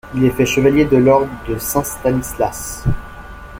Il est fait chevalier de l'Ordre de Saint-Stanislas.